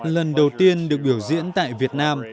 lần đầu tiên được biểu diễn tại việt nam